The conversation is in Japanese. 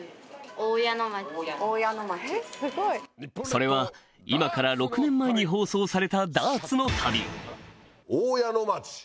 それは今から６年前に放送されたダーツの旅大矢野町。